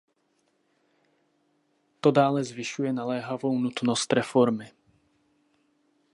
To dále zvyšuje naléhavou nutnost reformy.